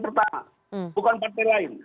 pertama bukan partai lain